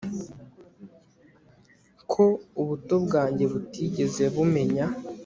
Ko ubuto bwanjye butigeze bumenya